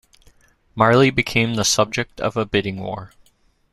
Marley became the subject of a bidding war.